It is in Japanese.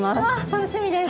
楽しみです。